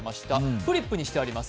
フリップにしてあります。